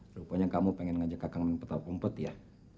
rupanya kamu pengen ngajak kakang mimpetau kumpet ya